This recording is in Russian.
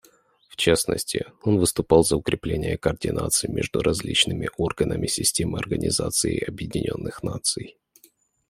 В частности, он выступал за укрепление координации между различными органами системы Организации Объединенных Наций.